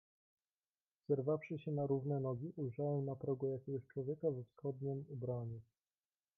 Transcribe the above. "Zerwawszy się na równe nogi, ujrzałem na progu jakiegoś człowieka we wschodniem ubraniu."